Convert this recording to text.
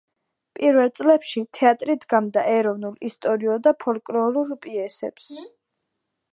პირველ წლებში თეატრი დგამდა ეროვნულ, ისტორიულ და ფოლკლორულ პიესებს.